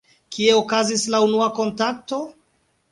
Kie okazis la unua kontakto?